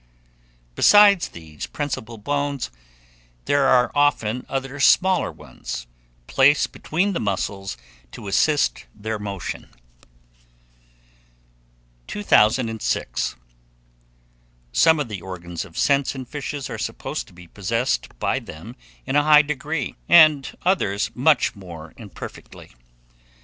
Besides these principal bones, there are often other smaller ones, placed between the muscles to assist their motion. 206. SOME OF THE ORGANS OF SENSE IN FISHES are supposed to be possessed by them in a high degree, and others much more imperfectly.